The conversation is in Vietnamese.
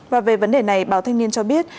và về vấn đề này báo thanh niên cho biết